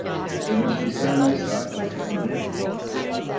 It must be so nice to have pocket-money!